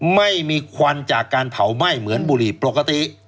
ไม่มีควันจากการเผาไหม้เหมือนบุหรี่ปกติ